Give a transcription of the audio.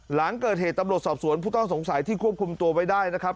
หลังเกิดเหตุตำรวจสอบสวนผู้ต้องสงสัยที่ควบคุมตัวไว้ได้นะครับ